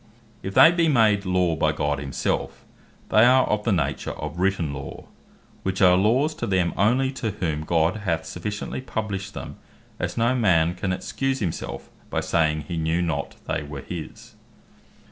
If they be made Law by God himselfe, they are of the nature of written Law, which are Laws to them only to whom God hath so sufficiently published them, as no man can excuse himself, by saying, he know not they were his.